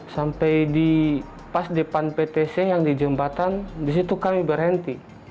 sampai di pas depan ptc yang di jembatan disitu kami berhenti